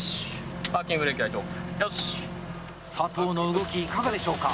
佐藤の動きいかがでしょうか？